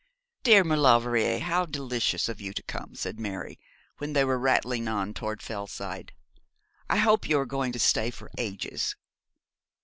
'Dear Maulevrier, how delicious of you to come!' said Mary, when they were rattling on towards Fellside; 'I hope you are going to stay for ages.'